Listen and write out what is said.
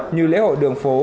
như lễ hội đường phố